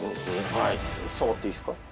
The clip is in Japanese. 触っていいですか？